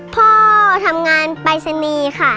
พ่อทำงานปรายศนีย์ค่ะ